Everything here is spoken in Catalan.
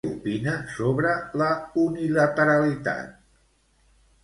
Què opina sobre la unilateralitat?